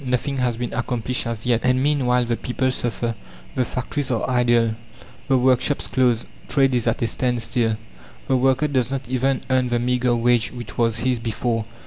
Nothing has been accomplished as yet. And meanwhile the people suffer. The factories are idle, the workshops closed; trade is at a standstill. The worker does not even earn the meagre wage which was his before.